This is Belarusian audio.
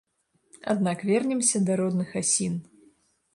Аднак вернемся да родных асін.